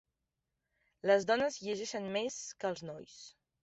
Les dones llegeixen més que els nois.